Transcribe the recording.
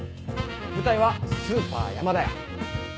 舞台はスーパーやまだや。